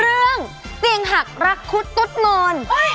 เรื่องเตียงหักรักคุดตุ๊ดมอน